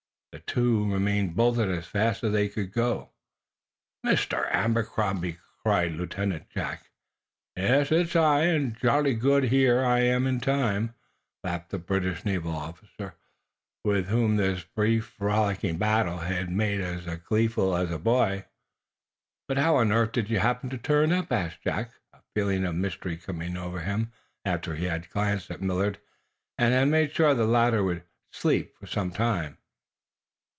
The two remaining bolted as fast as they could, go. "Mr. Abercrombie!" cried Lieutenant Jack. "Yes, it's I: and jolly glad I got here in good time," laughed the British naval officer, whom this brief rollicking battle had made as gleeful as a boy. "But how on earth did you happen to turn up?" asked Jack, a feeling of mystery coming over him after he had glanced at Millard and had made sure that the latter would "sleep" for some time to come.